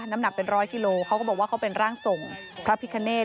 น้ำหนักเป็นร้อยกิโลเขาก็บอกว่าเขาเป็นร่างทรงพระพิคเนต